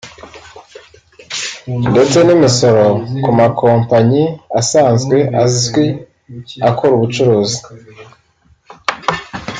ndetse n’imisoro ku ma kompanyi asanzwe azwi akora ubucuruzi